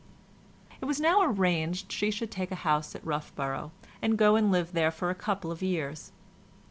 It was now arranged she should take a house at Roughborough, and go and live there for a couple of years.